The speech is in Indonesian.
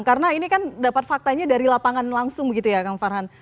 karena ini kan dapat faktanya dari lapangan langsung gitu ya kang farhan